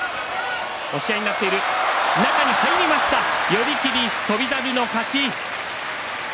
寄り切り、翔猿の勝ち。